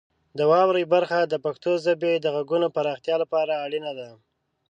د واورئ برخه د پښتو ژبې د غږونو پراختیا لپاره اړینه ده.